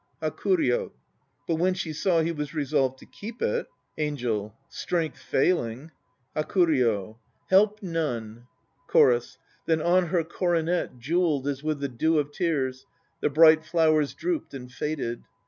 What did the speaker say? HAKURYO. But when she saw he was resolved to keep it ... ANGEL. Strength failing. HAKURYO. Help none ... CHORUS. Then on her coronet, Jewelled as with the dew of tears, The bright flowers drooped and faded.